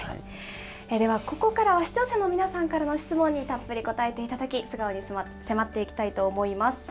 では、ここからは視聴者の皆さんからの質問にたっぷり答えていただき、素顔に迫っていきたいと思います。